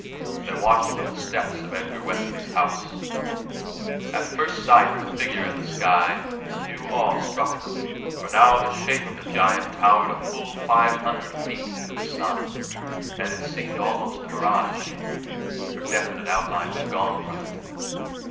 They watched from the steps of Edgar Wesley's house. At first sight of the figure in the sky, a new awe struck them, for now the shape of the giant towered a full five hundred feet into the sun, and it seemed almost a mirage, for definite outline was gone from it.